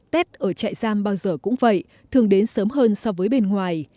tết ở trại giam bao giờ cũng vậy thường đến sớm hơn so với bên ngoài